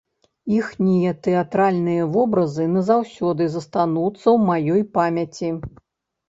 Іхнія тэатральныя вобразы назаўсёды застануцца ў маёй памяці.